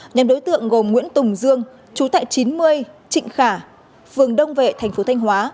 nhóm đối tượng gồm nguyễn tùng dương chú tại chín mươi trịnh khả phường đông vệ thành phố thanh hóa